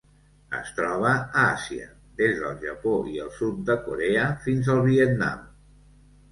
Es troba a Àsia: des del Japó i el sud de Corea fins al Vietnam.